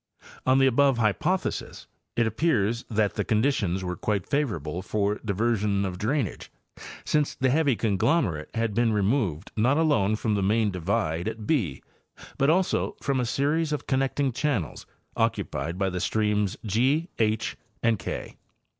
On the above hy pothesis it appears that the conditions were quite favorable for diversion of drainage, since the heavy conglomerate had been removed not alone from the main divide at >, but also from a series of connecting channels occupied by the streams G, H and K.